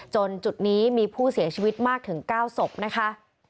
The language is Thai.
จุดนี้มีผู้เสียชีวิตมากถึง๙ศพนะคะ